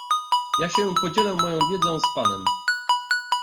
"Ja się podzielę moją wiedzą z panem."